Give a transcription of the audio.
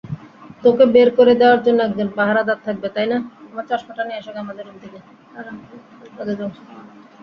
তোকে বের করে দেওয়ার জন্য একজন পাহারদার থাকবে, তাই না?